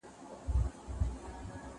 دوی چي ول باران به نه وورېږي